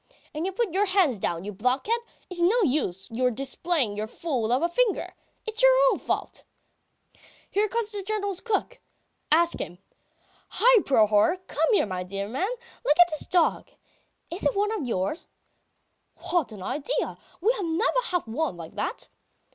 ... And you put your hand down, you blockhead. It's no use your displaying your fool of a finger. It's your own fault. ..." "Here comes the General's cook, ask him. .. Hi, Prohor! Come here, my dear man! Look at this dog. ... Is it one of yours?" "What an idea! We have never had one like that!"